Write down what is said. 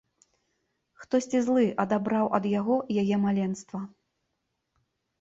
Хтосьці злы адабраў ад яго яе маленства.